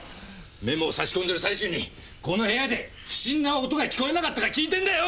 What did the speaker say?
メモを挿し込んでる最中にこの部屋で不審な音が聞こえなかったか聞いてんだよ！